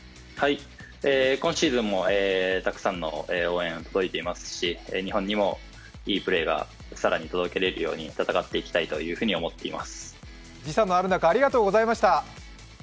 今シーズンもたくさんの応援届いていますし、日本にもいいプレーが更に届けれるように戦っていきたいというふうに思っています。